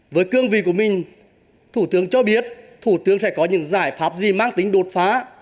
với cương vị của mình thủ tướng cho biết thủ tướng sẽ có những giải pháp gì mang tính đột phá